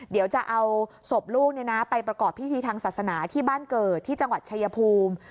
เดี๋ยวจะเอาศพลูกไปประกอบพิธีทางศาสนาที่บ้านเกิดที่จังหวัดชายภูมิ